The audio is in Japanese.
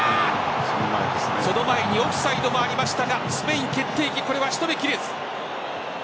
その前にオフサイドもありましたがスペイン、決定機仕留めきれず。